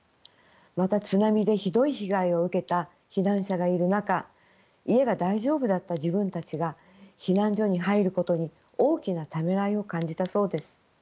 また津波でひどい被害を受けた避難者がいる中家が大丈夫だった自分たちが避難所に入ることに大きなためらいを感じたそうです。